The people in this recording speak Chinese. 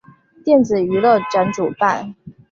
电子娱乐展主办。